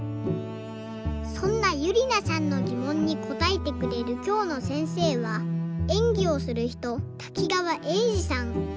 そんなゆりなさんのぎもんにこたえてくれるきょうのせんせいはえんぎをするひと滝川英治さん。